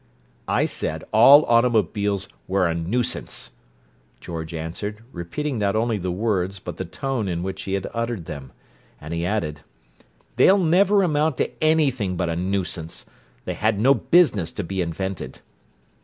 "I said all automobiles were a nuisance," George answered, repeating not only the words but the tone in which he had uttered them. And he added, "They'll never amount to anything but a nuisance. They had no business to be invented."